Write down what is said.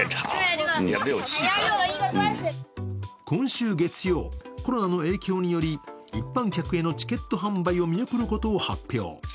今週月曜、コロナの影響により一般客へのチケット販売を見送ることを発表。